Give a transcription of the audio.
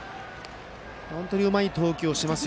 本当にうまい投球をします。